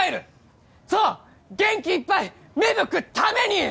そう元気いっぱい芽吹くために！